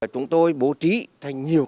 chúng tôi bố trí thành nhiều kế hoạch